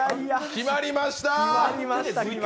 決まりました！